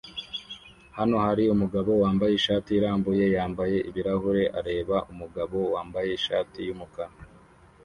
Hano hari umugabo wambaye ishati irambuye yambaye ibirahure areba umugabo wambaye ishati yumukara